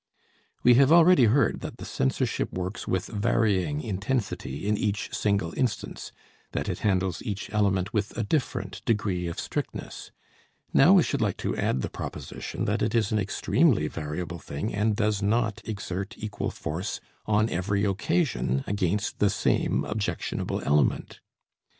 We have already heard that the censorship works with varying intensity in each single instance, that it handles each element with a different degree of strictness; now we should like to add the proposition that it is an extremely variable thing and does not exert equal force on every occasion against the same objectionable element.